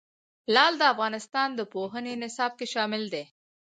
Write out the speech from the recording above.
لعل د افغانستان د پوهنې نصاب کې شامل دي.